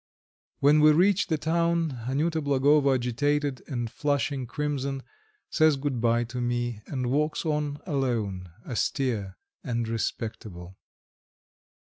When we reach the town Anyuta Blagovo, agitated and flushing crimson, says good bye to me and walks on alone, austere and respectable.